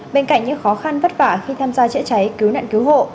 bên cạnh những khó khăn vất vả khi tham gia chữa cháy cứu nạn cứu hộ